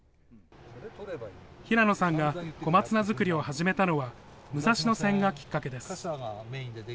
平野さんが小松菜作りを始めたのは武蔵野線がきっかけです。